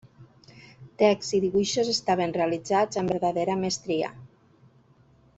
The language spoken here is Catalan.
Text i dibuixos estaven realitzats amb verdadera mestria.